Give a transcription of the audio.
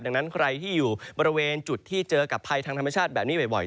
ดังนั้นใครที่อยู่บริเวณจุดที่เจอกับภัยทางธรรมชาติแบบนี้บ่อย